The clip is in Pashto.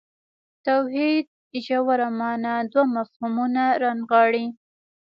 توحید ژوره معنا دوه مفهومونه رانغاړي.